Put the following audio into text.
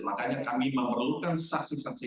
makanya kami memerlukan saksi saksi